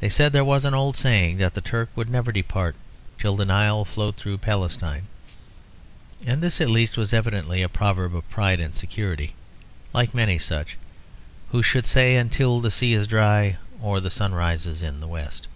They said there was an old saying that the Turk would never depart until the Nile flowed through Palestine; and this at least was evidently a proverb of pride and security, like many such; as who should say until the sea is dry or the sun rises in the west.